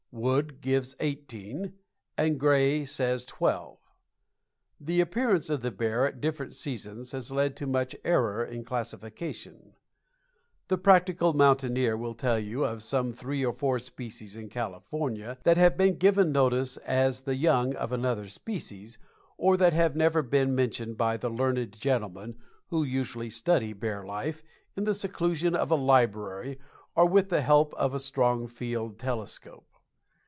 Wood gives eighteen, and Gray says twelve. The appearance of the bear at different seasons has led to much error in classification. The practical mountaineer will tell you of some three or four species in California that have been given notice of as the young of another species, or that have never been mentioned by the learned gentlemen who usually study bear life in the seclusion of a library or with the help of a strong field telescope.